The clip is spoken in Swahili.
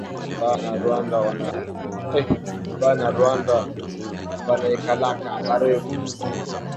Ba na rwanda banaikalaka ba refu